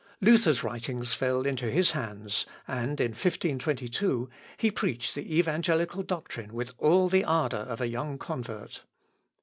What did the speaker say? Luther's writings fell into his hands, and, in 1522, he preached the evangelical doctrine with all the ardour of a young convert.